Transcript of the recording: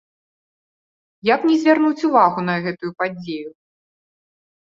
Як не звярнуць увагу на гэтую падзею!